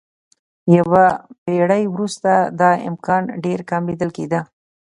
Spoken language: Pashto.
یوه پېړۍ وروسته دا امکان ډېر کم لیدل کېده.